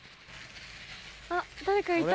あ誰かいた！